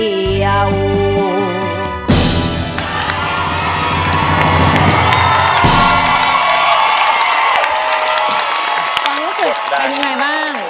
ความรู้สึกเป็นยังไงบ้าง